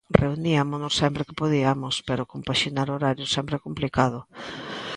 Reuniámonos sempre que podiamos, pero compaxinar horarios sempre é complicado.